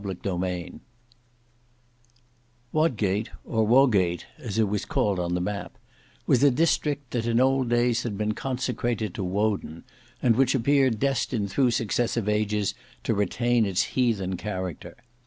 Book 3 Chapter 4 Wodgate, or Wogate, as it was called on the map, was a district that in old days had been consecrated to Woden, and which appeared destined through successive ages to retain its heathen character.